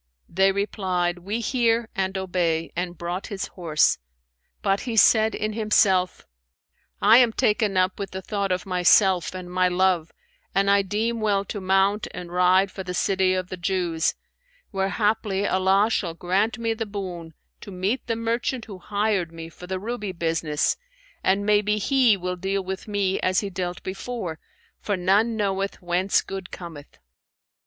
They replied, 'We hear and obey,' and brought his horse; but he said in himself, 'I am taken up with the thought of myself and my love and I deem well to mount and ride for the city of the Jews, where haply Allah shall grant me the boon to meet the merchant who hired me for the ruby business and may be he will deal with me as he dealt before, for none knoweth whence good cometh.'